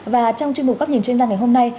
và trong chuyên mục góp nhìn trên ra ngày hôm nay